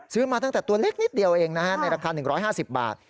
มาตั้งแต่ตัวเล็กนิดเดียวเองนะฮะในราคา๑๕๐บาท